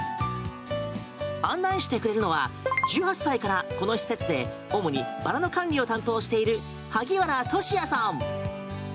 案内してくれるのは１８歳からこの施設で主にバラの管理を担当している萩原俊也さん。